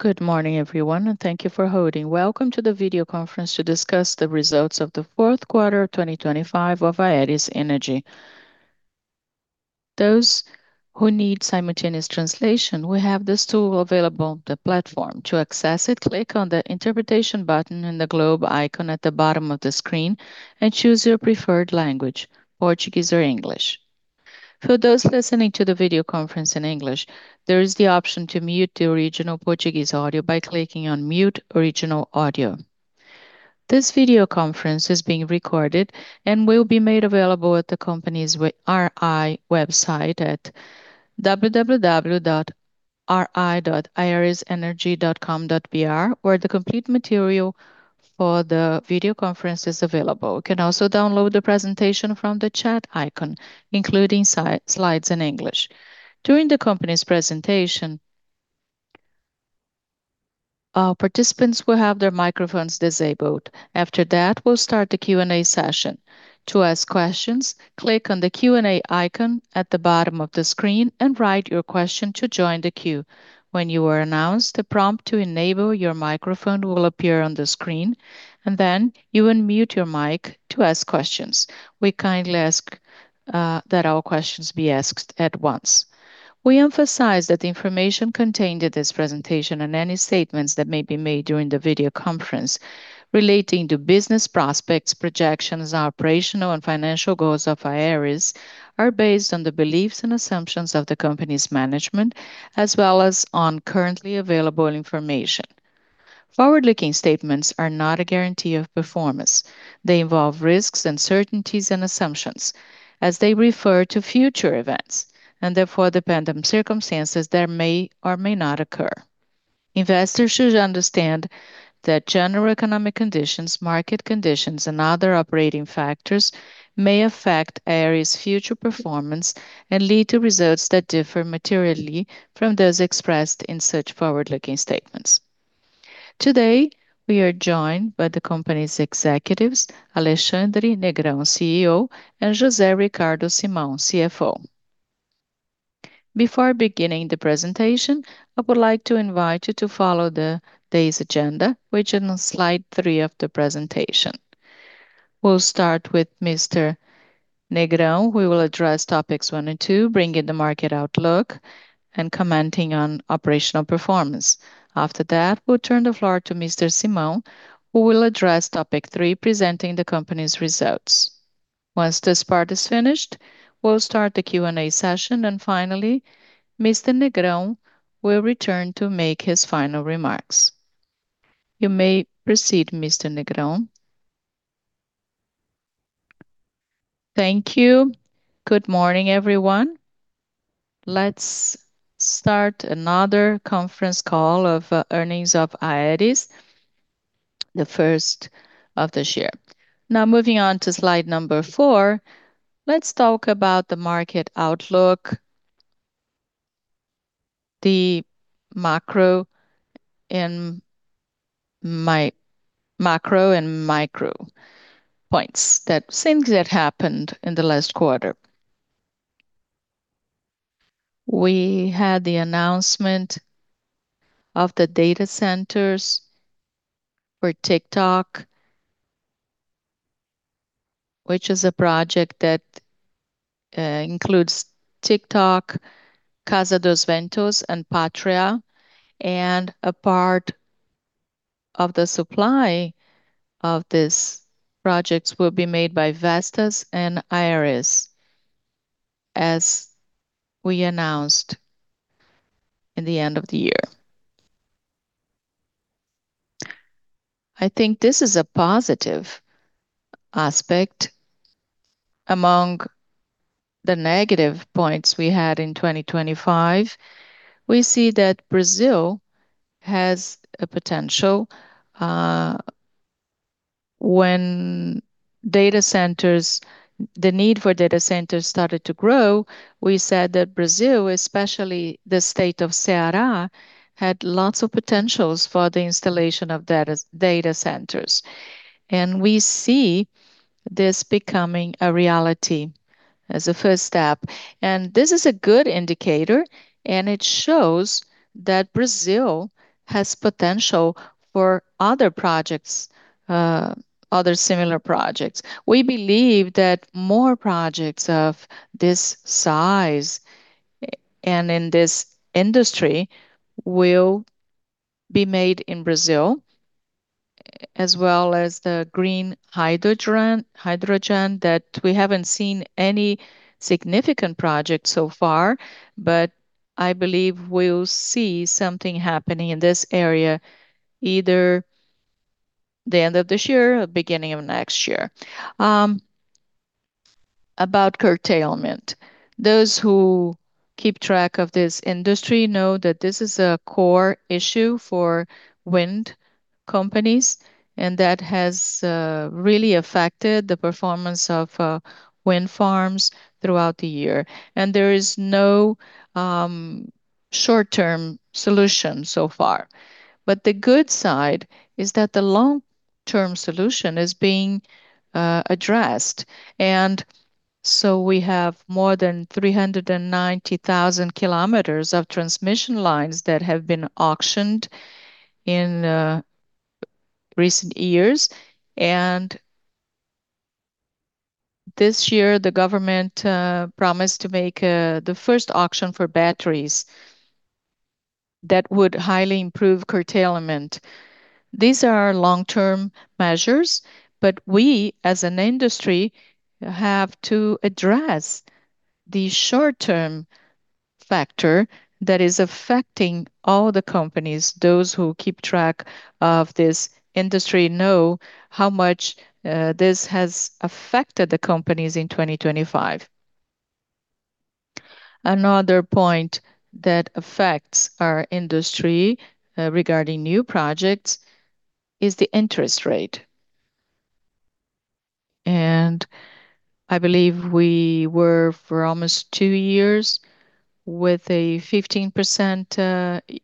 Good morning, everyone, and thank you for holding. Welcome to the video conference to discuss the results of the fourth quarter of 2025 of Aeris Energy. Those who need simultaneous translation, we have this tool available on the platform. To access it, click on the interpretation button in the globe icon at the bottom of the screen and choose your preferred language, Portuguese or English. For those listening to the video conference in English, there is the option to mute the original Portuguese audio by clicking on Mute Original Audio. This video conference is being recorded and will be made available at the company's RI website at www.ri.aerisenergy.com.br, where the complete material for the video conference is available. You can also download the presentation from the chat icon, including slides in English. During the company's presentation, participants will have their microphones disabled. After that, we'll start the Q&A session. To ask questions, click on the Q&A icon at the bottom of the screen and write your question to join the queue. When you are announced, a prompt to enable your microphone will appear on the screen, and then you unmute your mic to ask questions. We kindly ask that all questions be asked at once. We emphasize that the information contained in this presentation and any statements that may be made during the video conference relating to business prospects, projections, operational and financial goals of Aeris are based on the beliefs and assumptions of the company's management, as well as on currently available information. Forward-looking statements are not a guarantee of performance. They involve risks, uncertainties, and assumptions as they refer to future events and therefore depend on circumstances that may or may not occur. Investors should understand that general economic conditions, market conditions, and other operating factors may affect Aeris' future performance and lead to results that differ materially from those expressed in such forward-looking statements. Today, we are joined by the company's executives, Alexandre Sarnes Negrão, CEO, and José Ricardo Elbel Simão, CFO. Before beginning the presentation, I would like to invite you to follow the day's agenda, which is on slide three of the presentation. We'll start with Mr. Negrão, who will address topics one and two, bringing the market outlook and commenting on operational performance. After that, we'll turn the floor to Mr. Simão, who will address topic three, presenting the company's results. Once this part is finished, we'll start the Q&A session. Finally, Mr. Negrão will return to make his final remarks. You may proceed, Mr. Negrão. Thank you. Good morning, everyone. Let's start another conference call of earnings of Aeris, the first of this year. Now, moving on to slide number four, let's talk about the market outlook, the macro and micro things that happened in the last quarter. We had the announcement of the data centers for TikTok, which is a project that includes TikTok, Casa dos Ventos, and Pátria, and a part of the supply of these projects will be made by Vestas and Aeris, as we announced in the end of the year. I think this is a positive aspect. Among the negative points we had in 2025, we see that Brazil has a potential. The need for data centers started to grow, we said that Brazil, especially the State of Ceará, had lots of potentials for the installation of data centers, and we see this becoming a reality as a first step. This is a good indicator, and it shows that Brazil has potential for other projects, other similar projects. We believe that more projects of this size and in this industry will be made in Brazil, as well as the green hydrogen, that we haven't seen any significant project so far, but I believe we'll see something happening in this area, either the end of this year or beginning of next year. About curtailment. Those who keep track of this industry know that this is a core issue for wind companies, and that has really affected the performance of wind farms throughout the year. There is no short-term solution so far. The good side is that the long-term solution is being addressed. We have more than 390,000 km of transmission lines that have been auctioned in recent years. This year, the government promised to make the first auction for batteries that would highly improve curtailment. These are long-term measures, but we, as an industry, have to address the short-term factor that is affecting all the companies. Those who keep track of this industry know how much this has affected the companies in 2025. Another point that affects our industry regarding new projects is the interest rate. I believe we were for almost two years with a 15%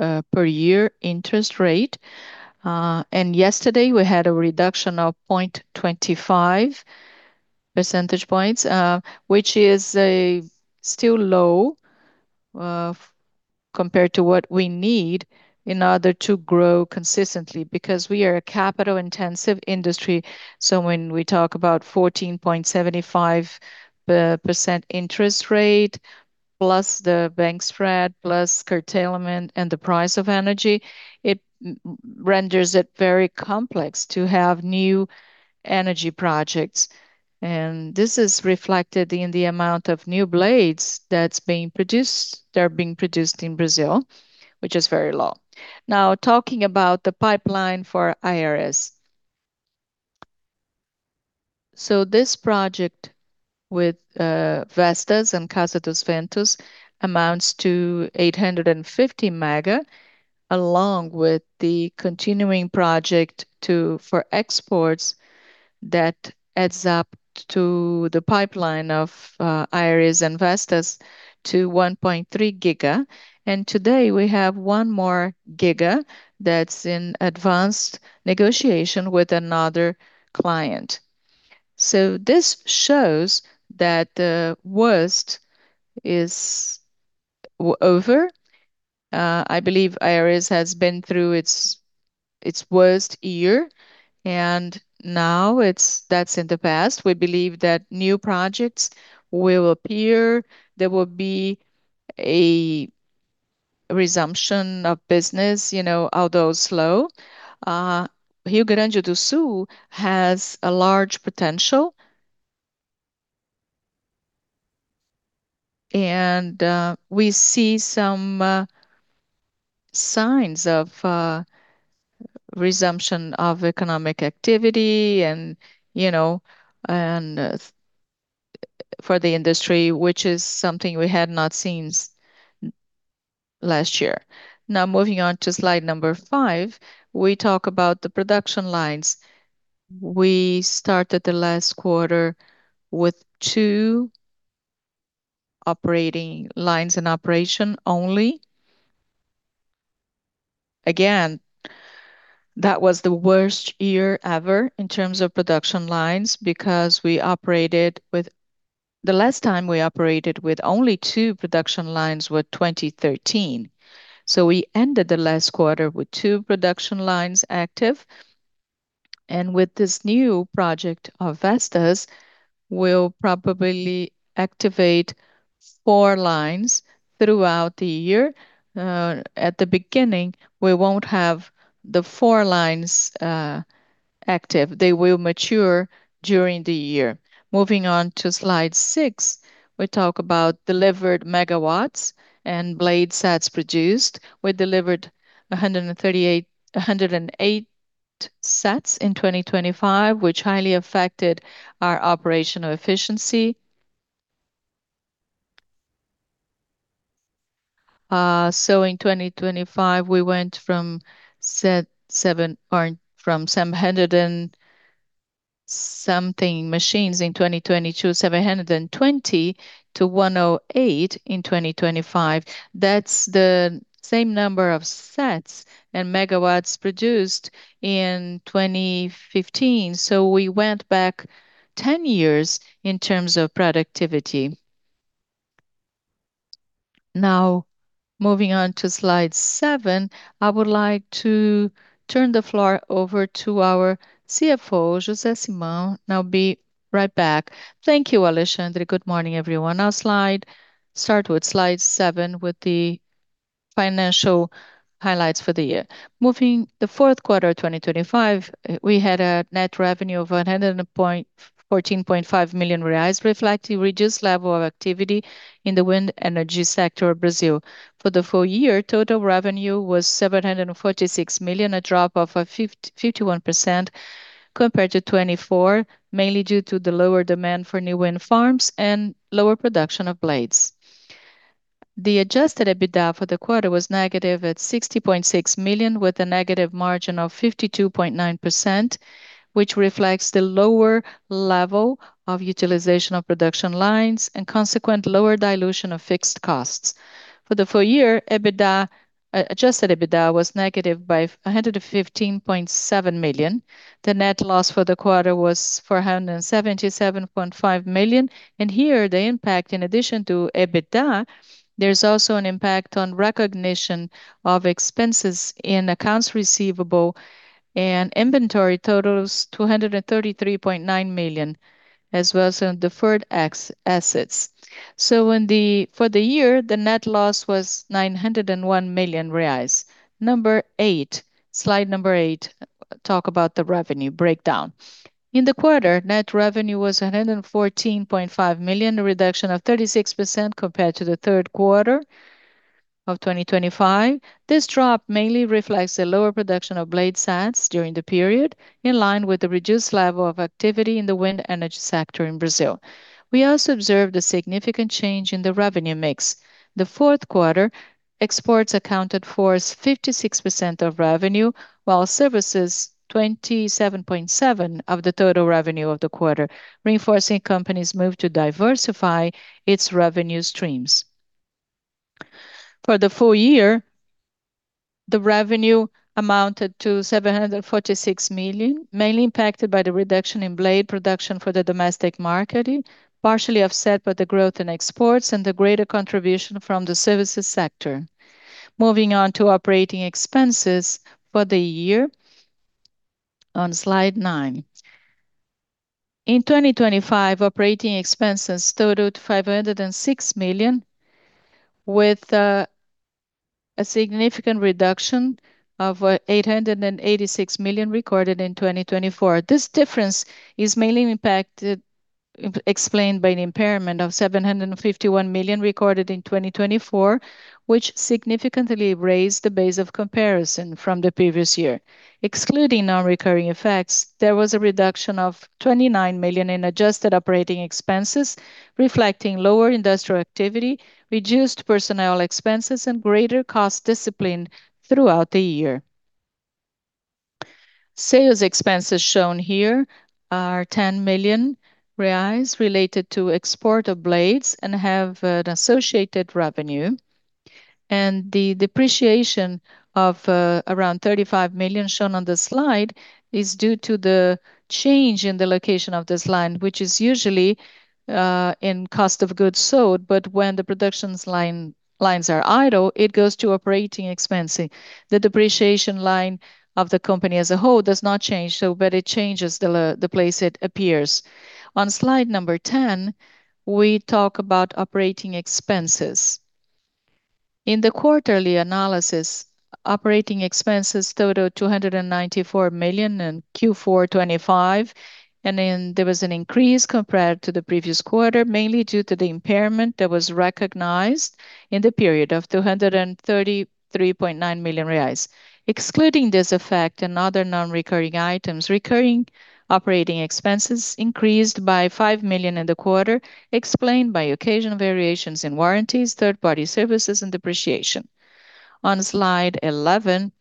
per year interest rate. Yesterday, we had a reduction of 0.25 percentage points, which is still low compared to what we need in order to grow consistently because we are a capital-intensive industry. When we talk about 14.75% interest rate, plus the bank spread, plus curtailment and the price of energy, it renders it very complex to have new energy projects. This is reflected in the amount of new blades that are being produced in Brazil, which is very low. Now, talking about the pipeline for Aeris. This project with Vestas and Casa dos Ventos amounts to 850 MW, along with the continuing project for exports that adds up to the pipeline of Aeris and Vestas to 1.3 GB. Today, we have one more GB that's in advanced negotiation with another client. This shows that the worst is over. I believe Aeris has been through its worst year, and now that's in the past. We believe that new projects will appear. There will be a resumption of business, you know, although slow. Rio Grande do Sul has a large potential. We see some signs of resumption of economic activity and, you know, for the industry, which is something we had not seen last year. Now, moving on to slide number five, we talk about the production lines. We started the last quarter with two operating lines in operation only. Again, that was the worst year ever in terms of production lines because we operated with only two production lines. The last time we operated with only two production lines were 2013. We ended the last quarter with two production lines active. With this new project of Vestas, we'll probably activate four lines throughout the year. At the beginning, we won't have the four lines active. They will mature during the year. Moving on to slide six, we talk about delivered mw and blade sets produced. We delivered 108 sets in 2025, which highly affected our operational efficiency. In 2025, we went from 700-something machines in 2020 to 720 to 108 in 2025. That's the same number of sets and megawatts produced in 2015. We went back 10 years in terms of productivity. Now, moving on to slide seven, I would like to turn the floor over to our CFO, José Simão, and I'll be right back. Thank you, Alexandre. Good morning, everyone. I'll start with slide seven with the financial highlights for the year. The fourth quarter of 2025, we had a net revenue of 114.5 million reais, reflecting reduced level of activity in the wind energy sector of Brazil. For the full year, total revenue was 746 million, a drop of 51% compared to 2024, mainly due to the lower demand for new wind farms and lower production of blades. The adjusted EBITDA for the quarter was -60.6 million, with a negative margin of 52.9%, which reflects the lower level of utilization of production lines and consequent lower dilution of fixed costs. For the full year, adjusted EBITDA was -115.7 million. The net loss for the quarter was 477.5 million. Here, the impairment, in addition to EBITDA, there's also an impairment in accounts receivable and inventory totaling 233.9 million, as well as in deferred assets. For the year, the net loss was 901 million reais. Number eight, slide number eight, talk about the revenue breakdown. In the quarter, net revenue was 114.5 million, a reduction of 36% compared to the third quarter of 2025. This drop mainly reflects the lower production of blade sets during the period, in line with the reduced level of activity in the wind energy sector in Brazil. We also observed a significant change in the revenue mix. The fourth quarter exports accounted for 56% of revenue, while services, 27.7% of the total revenue of the quarter, reinforcing company's move to diversify its revenue streams. For the full year, the revenue amounted to 746 million, mainly impacted by the reduction in blade production for the domestic market, partially offset by the growth in exports and the greater contribution from the services sector. Moving on to operating expenses for the year on slide nine. In 2025, operating expenses totaled 506 million, with a significant reduction of 886 million recorded in 2024. This difference is mainly explained by an impairment of 751 million recorded in 2024, which significantly raised the base of comparison from the previous year. Excluding non-recurring effects, there was a reduction of 29 million in adjusted operating expenses, reflecting lower industrial activity, reduced personnel expenses, and greater cost discipline throughout the year. Sales expenses shown here are 10 million reais related to export of blades and have an associated revenue. The depreciation of around 35 million shown on the slide is due to the change in the location of this line, which is usually in cost of goods sold. When the production lines are idle, it goes to operating expenses. The depreciation line of the company as a whole does not change, so but it changes the place it appears. On slide number 10, we talk about operating expenses. In the quarterly analysis, operating expenses totaled 294 million in Q4 2025, and then there was an increase compared to the previous quarter, mainly due to the impairment that was recognized in the period of 233.9 million reais. Excluding this effect and other non-recurring items, recurring operating expenses increased by 5 million in the quarter, explained by occasional variations in warranties, third-party services, and depreciation. On Slide 11,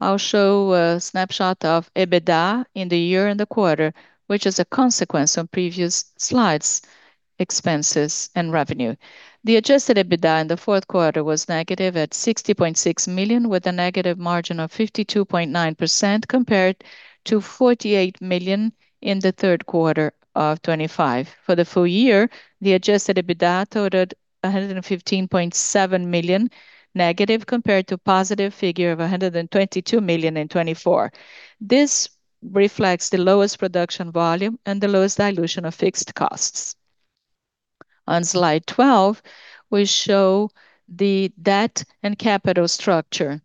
I'll show a snapshot of EBITDA in the year and the quarter, which is a consequence of previous slides' expenses and revenue. The adjusted EBITDA in the fourth quarter was -60.6 million, with a negative margin of 52.9% compared to 48 million in the third quarter of 2025. For the full year, the adjusted EBITDA totaled 115.7 million negative compared to positive figure of 122 million in 2024. This reflects the lowest production volume and the lowest dilution of fixed costs. On Slide 12, we show the debt and capital structure.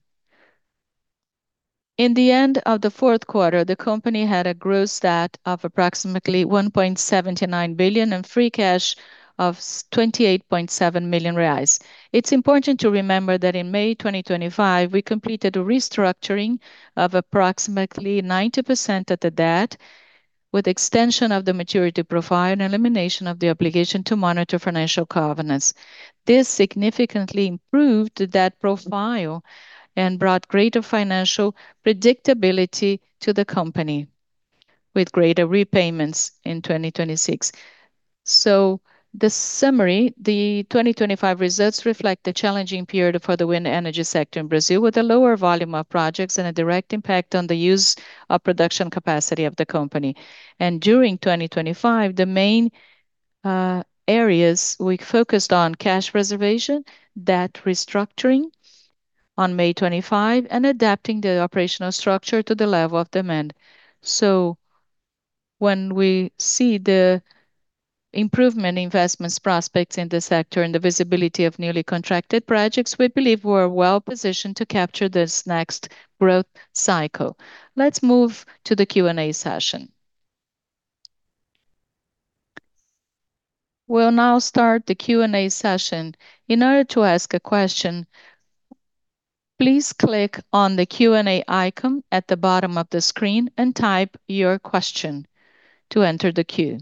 At the end of the fourth quarter, the company had a gross debt of approximately 1.79 billion and free cash of 28.7 million reais. It's important to remember that in May 2025, we completed a restructuring of approximately 90% of the debt with extension of the maturity profile and elimination of the obligation to monitor financial covenants. This significantly improved the debt profile and brought greater financial predictability to the company with greater repayments in 2026. The summary, the 2025 results reflect the challenging period for the wind energy sector in Brazil, with a lower volume of projects and a direct impact on the use of production capacity of the company. During 2025, the main areas we focused on cash preservation, debt restructuring on May 2025, and adapting the operational structure to the level of demand. When we see the improved investment prospects in the sector and the visibility of newly contracted projects, we believe we are well-positioned to capture this next growth cycle. Let's move to the Q&A session. We'll now start the Q&A session. In order to ask a question, please click on the Q&A icon at the bottom of the screen and type your question to enter the queue.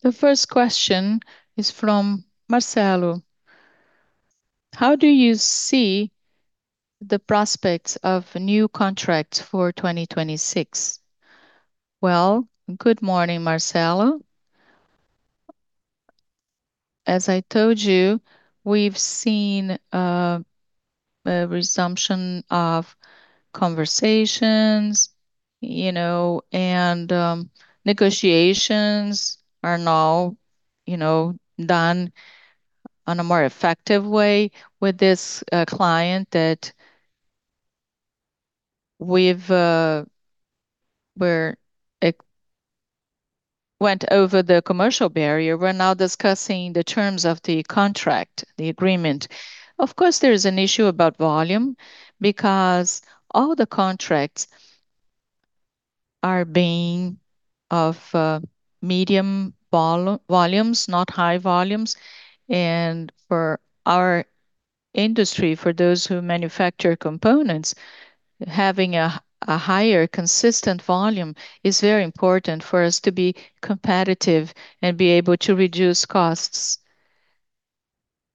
The first question is from Marcelo. How do you see the prospects of new contracts for 2026? Well, good morning, Marcelo. As I told you, we've seen a resumption of conversations, you know, and negotiations are now, you know, done on a more effective way with this client that we've gone over the commercial barrier. We're now discussing the terms of the contract, the agreement. Of course, there is an issue about volume because all the contracts are of medium volumes, not high volumes. For our industry, for those who manufacture components, having a higher consistent volume is very important for us to be competitive and be able to reduce costs.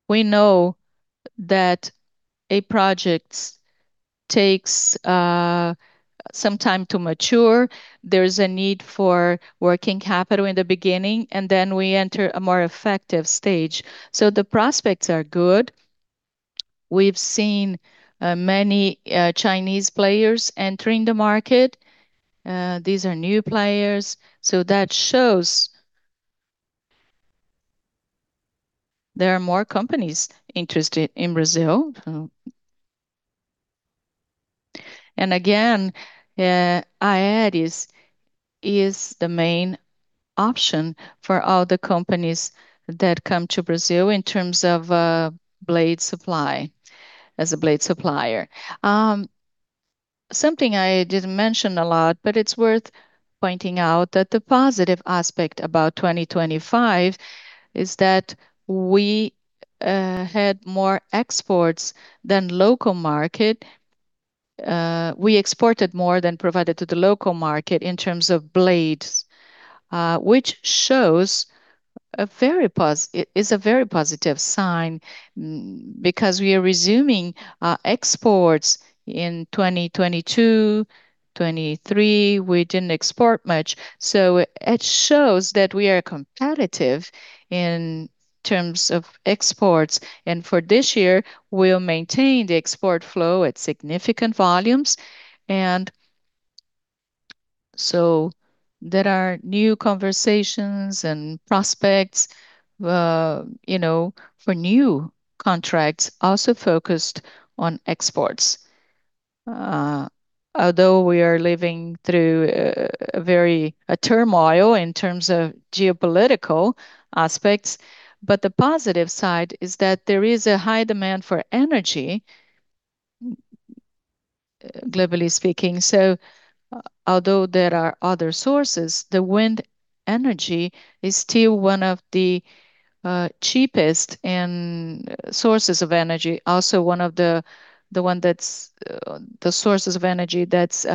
We know that a project takes some time to mature. There's a need for working capital in the beginning, and then we enter a more effective stage. The prospects are good. We've seen many Chinese players entering the market. These are new players, so that shows there are more companies interested in Brazil. Again, Aeris is the main option for all the companies that come to Brazil in terms of blade supply, as a blade supplier. Something I didn't mention a lot, but it's worth pointing out that the positive aspect about 2025 is that we had more exports than local market. We exported more than provided to the local market in terms of blades, which shows it's a very positive sign because we are resuming exports. In 2022, 2023, we didn't export much. It shows that we are competitive in terms of exports. For this year, we'll maintain the export flow at significant volumes. There are new conversations and prospects, you know, for new contracts also focused on exports. Although we are living through a turmoil in terms of geopolitical aspects, but the positive side is that there is a high demand for energy, globally speaking. Although there are other sources, the wind energy is still one of the cheapest sources of energy, also one of the sources of energy that's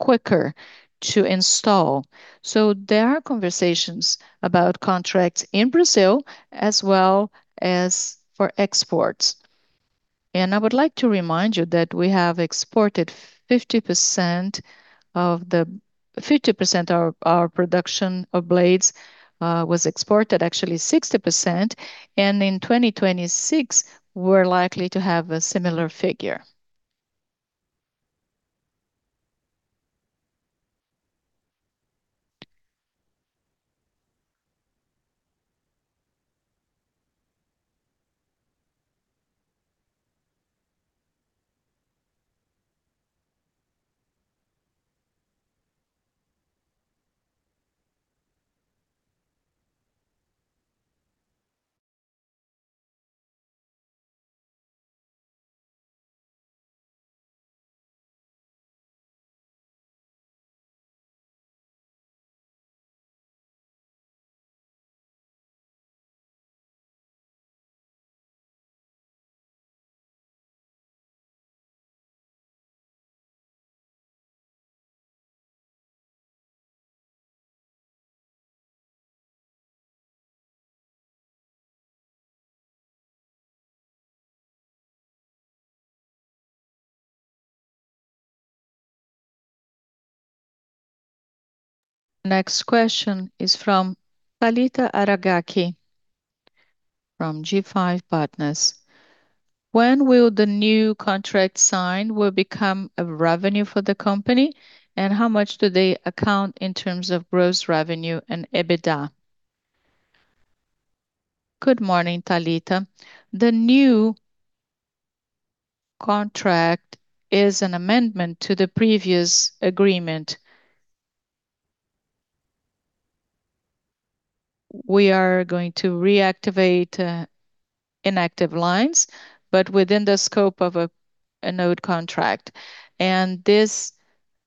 quicker to install. There are conversations about contracts in Brazil as well as for exports. I would like to remind you that we have exported 50% of our production of blades, actually 60%. In 2026, we're likely to have a similar figure. Next question is from Talita Aragaki from G5 Partners. When will the new contract signed will become a revenue for the company, and how much do they account in terms of gross revenue and EBITDA? Good morning, Talita. The new contract is an amendment to the previous agreement. We are going to reactivate inactive lines, but within the scope of a new contract. This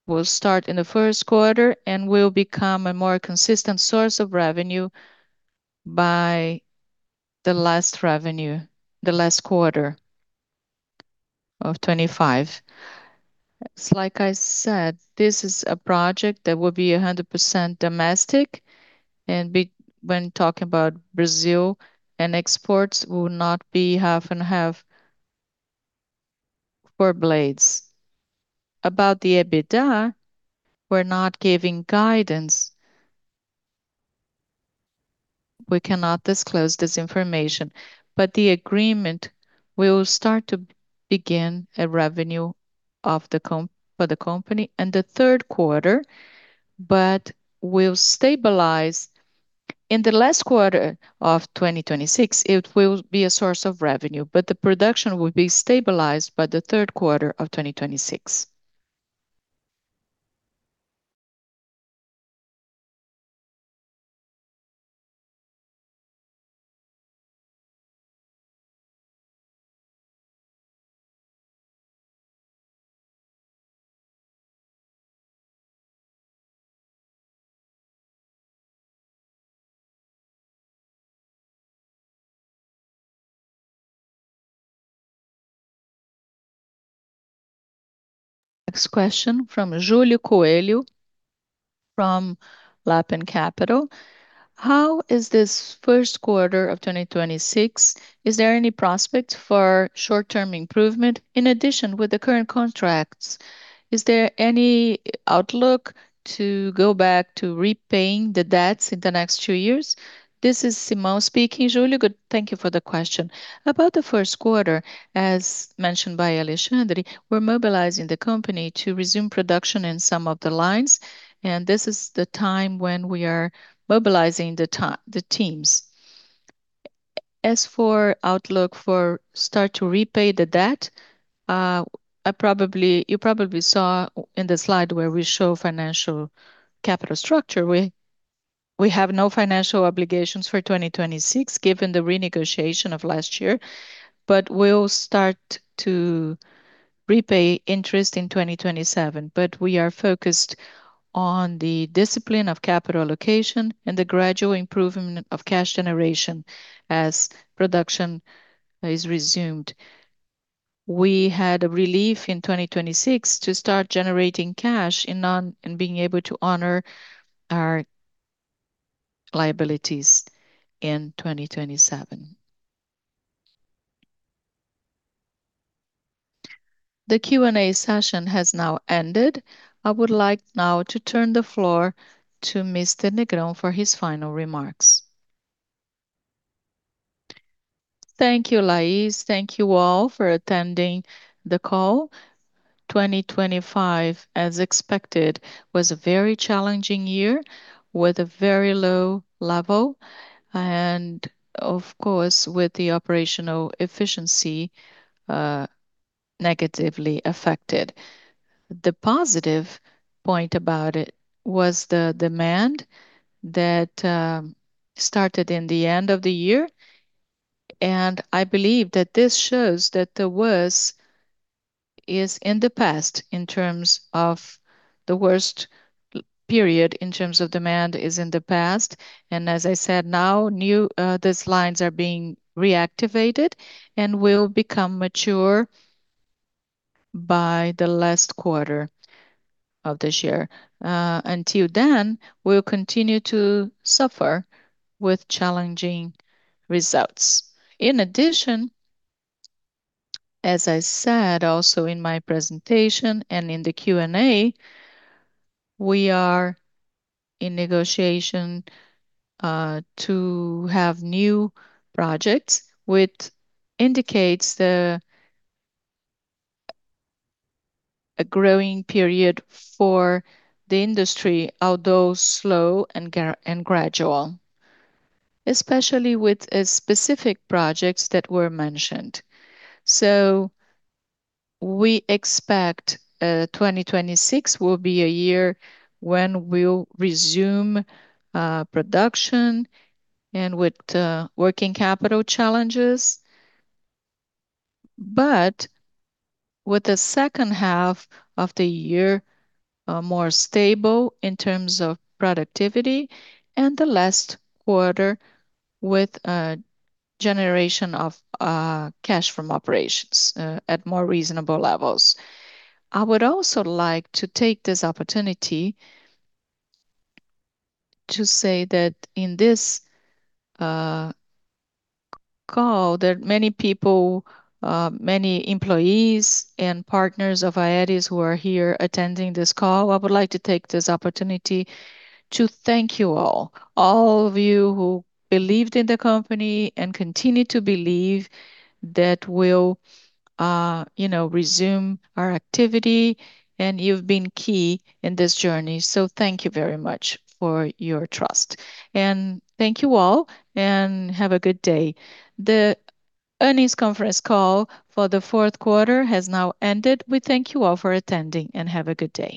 will start in the first quarter and will become a more consistent source of revenue by the last quarter of 2025. It's like I said, this is a project that will be 100% domestic, and when talking about Brazil and exports will not be half and half for blades. About the EBITDA, we're not giving guidance. We cannot disclose this information. The agreement will start to begin a revenue for the company in the third quarter, but will stabilize in the last quarter of 2026. It will be a source of revenue, but the production will be stabilized by the third quarter of 2026. Next question from Julio Coelho from Lapin Capital. How is this first quarter of 2026? Is there any prospect for short-term improvement? In addition, with the current contracts, is there any outlook to go back to repaying the debts in the next two years? This is Simon speaking. Julio, thank you for the question. About the first quarter, as mentioned by Alexandre, we're mobilizing the company to resume production in some of the lines, and this is the time when we are mobilizing the teams. As for outlook for start to repay the debt, you probably saw in the slide where we show financial capital structure. We have no financial obligations for 2026 given the renegotiation of last year, but we'll start to repay interest in 2027. We are focused on the discipline of capital allocation and the gradual improvement of cash generation as production is resumed. We had a relief in 2026 to start generating cash in being able to honor our liabilities in 2027. The Q&A session has now ended. I would like now to turn the floor to Mr. Negrão for his final remarks. Thank you, Lais. Thank you all for attending the call. 2025, as expected, was a very challenging year with a very low level and of course, with the operational efficiency negatively affected. The positive point about it was the demand that started in the end of the year, and I believe that this shows that the worst is in the past in terms of the worst period in terms of demand is in the past. As I said, now new these lines are being reactivated and will become mature by the last quarter of this year. Until then, we'll continue to suffer with challenging results. In addition, as I said also in my presentation and in the Q&A, we are in negotiation to have new projects, which indicates a growing period for the industry, although slow and gradual, especially with specific projects that were mentioned. We expect 2026 will be a year when we'll resume production and with working capital challenges. With the second half of the year more stable in terms of productivity and the last quarter with a generation of cash from operations at more reasonable levels. I would also like to take this opportunity to say that in this call, there are many people, many employees and partners of Aeris who are here attending this call. I would like to take this opportunity to thank you all. All of you who believed in the company and continue to believe that we'll you know resume our activity, and you've been key in this journey. Thank you very much for your trust. Thank you all, and have a good day. The earnings conference call for the fourth quarter has now ended. We thank you all for attending, and have a good day.